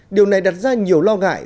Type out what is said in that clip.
điều này đặt ra nhiều lo ngại